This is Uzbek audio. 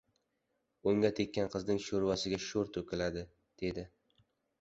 Unga tekkan qizning shoʻrvasiga shoʻr toʻkiladi, – dedi.